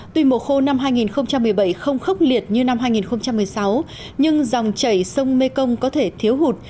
tuy mùa khô năm hai nghìn một mươi bảy không khốc liệt như năm hai nghìn một mươi sáu nhưng dòng chảy sông mê công có thể thiếu hụt